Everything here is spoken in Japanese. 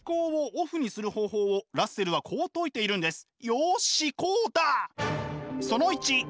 よしこうだ！